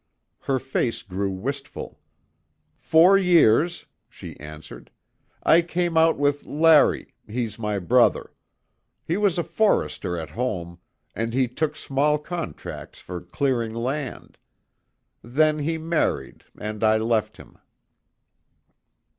Her face grew wistful. "Four years," she answered. "I came out with Larry he's my brother. He was a forester at home, and he took small contracts for clearing land. Then he married and I left him."